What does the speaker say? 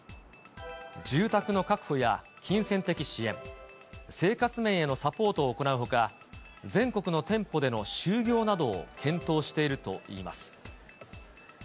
住宅の確保や金銭的支援、生活面へのサポートを行うほか、全国の店舗での就業などを検討しているといいます。